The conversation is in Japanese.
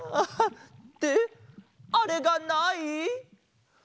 ってあれがない？